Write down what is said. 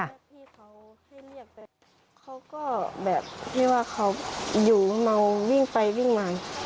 ถ้าพี่เขาให้เรียกไปเขาก็แบบไม่ว่าเขาอยู่เมาวิ่งไปวิ่งมา